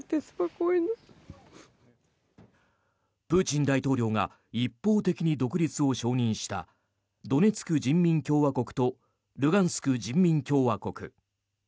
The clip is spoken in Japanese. プーチン大統領が一方的に独立を承認したドネツク人民共和国とルガンスク人民共和国。